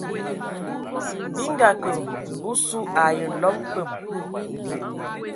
Bi nga kə osu ai nlɔb mbəm.